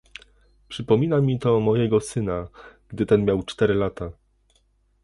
Przypomina mi to mojego syna, gdy ten miał cztery lata